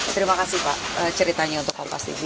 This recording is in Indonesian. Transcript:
terima kasih pak ceritanya untuk kompas tv